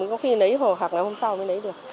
có khi lấy hồ hoặc là hôm sau mới lấy được